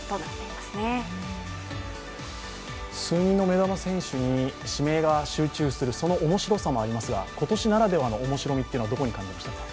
目玉選手に指名が集中するその面白さもありますが今年ならではの面白みはどこに感じましたか。